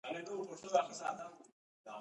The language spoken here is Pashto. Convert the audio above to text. آمو سیند د افغانستان په هره برخه کې موندل کېږي.